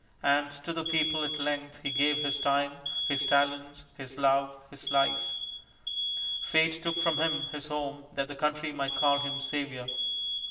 And to the people at length he gave his time, his talents, his love, his life. Fate took from him his home that the country might call him savior.